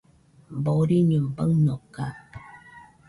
Boriño baɨnoka